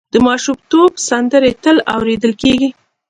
د ماشومتوب سندرې تل اورېدل کېږي.